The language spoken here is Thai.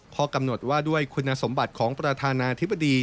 ข้อกำหนดว่าด้วยคุณสมบัติของประธานาธิบดี